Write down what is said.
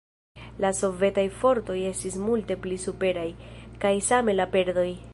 La sovetaj fortoj estis multe pli superaj, kaj same la perdoj.